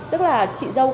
tức là chị dâu của dì